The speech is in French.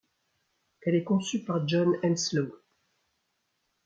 Elle est conçue par John Henslow.